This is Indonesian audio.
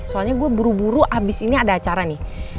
soalnya gue buru buru abis ini ada acara nih